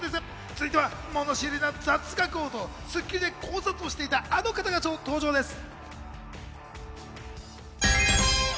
続いては物知りな雑学王と『スッキリ』で考察をしていた、あの方が登場です。